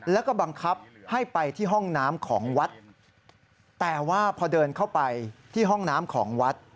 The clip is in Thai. แล้วก็บังคับให้ไปที่ห้องน้ำของวัดแต่ว่าพอเดินเข้าไปที่ห้องน้ำของวัด